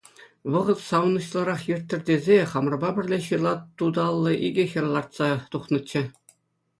Вӑхӑт савӑнӑҫлӑрах ирттӗр тесе, хамӑрпа пӗрле ҫырла туталлӑ икӗ хӗр лартса тухнӑччӗ.